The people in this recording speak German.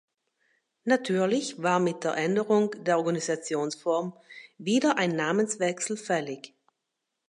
Natürlich war mit der Änderung der Organisationsform wieder ein Namenswechsel fällig.